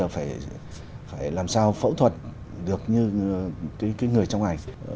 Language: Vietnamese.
phải làm sao phẫu thuật được như cái người trong ảnh